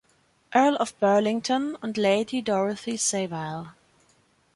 Earl of Burlington, und Lady Dorothy Savile.